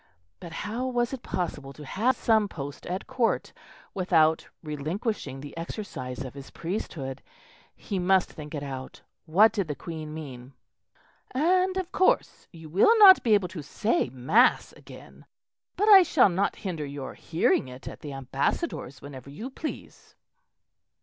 But how was it possible to have some post at Court without relinquishing the exercise of his priesthood? He must think it out; what did the Queen mean? "And, of course, you will not be able to say mass again; but I shall not hinder your hearing it at the Ambassador's whenever you please."